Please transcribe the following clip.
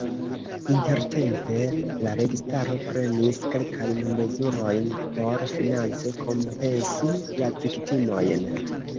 Intertempe la registaro prenis kelkajn mezurojn por finance kompensi la viktimojn.